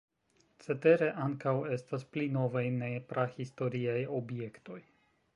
Cetere, ankaŭ estas pli novaj ne-prahistoriaj objektoj.